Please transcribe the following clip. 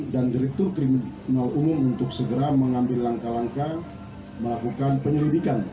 dan direktur kriminal umum untuk segera mengambil langkah langkah melakukan penyelidikan